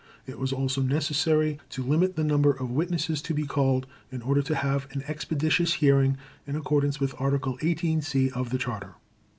It was also necessary to limit the number of witnesses to be called, in order to have an expeditious hearing, in accordance with Article 18 (c) of the Charter.